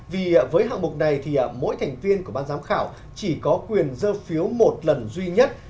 vì với hạng mục này thì mỗi thành viên của ban giám khảo chỉ có quyền dơ phiếu một lần duy nhất